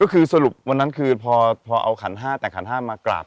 ก็คือสรุปวันนั้นคือพอเอาขัน๕แต่งขัน๕มากราบ